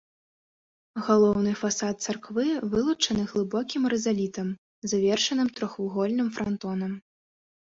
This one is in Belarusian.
Галоўны фасад царквы вылучаны глыбокім рызалітам, завершаным трохвугольным франтонам.